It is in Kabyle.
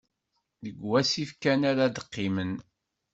Deg wasif kan ara d-qqimen.